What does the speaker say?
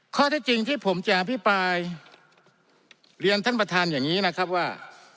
ข้อที่จริงที่ผมจะอภิปรายเรียนท่านประธานอย่างนี้นะครับว่า